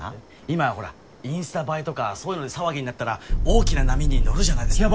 今はほらインスタ映えとかそういうので騒ぎになったら大きな波に乗るじゃないですか。